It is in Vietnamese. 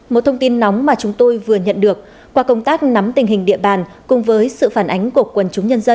một thông tin nóng mà chúng tôi vừa nhận được qua công tác nắm tình hình địa bàn cùng với sự phản ánh của quần chủ